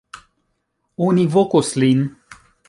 Oni vokos lin.